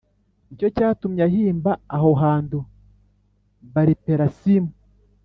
Ni cyo cyatumye ahimba aho hantu Bāliperasimu.